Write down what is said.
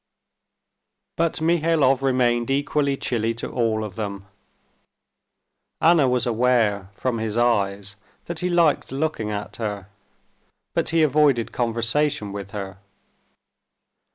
But Mihailov remained equally chilly to all of them. Anna was aware from his eyes that he liked looking at her, but he avoided conversation with her.